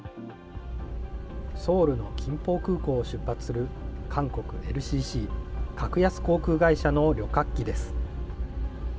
ソウルのキンポ空港を出発する韓国ＬＣＣ・格安航空会社の旅客機です。